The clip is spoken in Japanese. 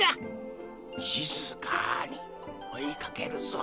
しずかにおいかけるぞ。